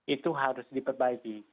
itu harus diperbaiki